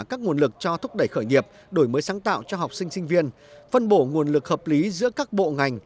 các nguồn lực cho thúc đẩy khởi nghiệp đổi mới sáng tạo cho học sinh sinh viên phân bổ nguồn lực hợp lý giữa các bộ ngành